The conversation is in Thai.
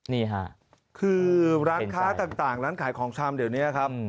นี่ค่ะคือร้านค้าต่างร้านขายของชำเดี๋ยวนี้ครับ